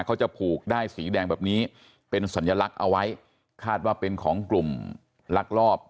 เขาจะผูกด้ายสีแดงแบบนี้เป็นสัญลักษณ์เอาไว้คาดว่าเป็นของกลุ่มลักลอบ